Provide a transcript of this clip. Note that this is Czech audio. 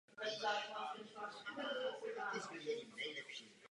To je evropská dvojí norma a něco, co nesmíme tolerovat.